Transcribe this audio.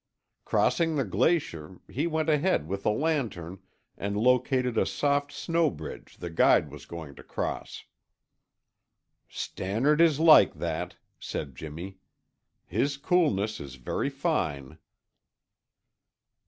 Crossing the glacier, he went ahead with the lantern and located a soft snow bridge the guide was going to cross." "Stannard is like that," said Jimmy. "His coolness is very fine."